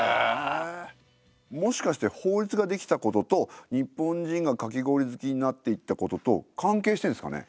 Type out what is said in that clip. もしかして法律が出来たことと日本人がかき氷好きになっていったことと関係してるんですかね？